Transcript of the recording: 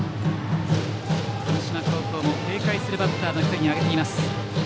富島高校も警戒するバッターの１人に挙げています。